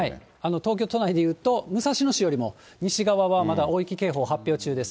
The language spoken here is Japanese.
東京都内でいうと、武蔵野市よりも西側はまだ大雪警報発表中です。